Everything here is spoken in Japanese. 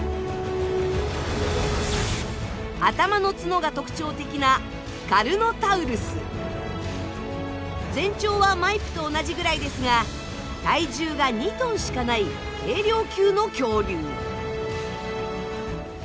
頭の角が特徴的な全長はマイプと同じぐらいですが体重が２ｔしかない軽量級の恐竜。